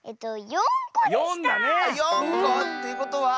４こ⁉ということは。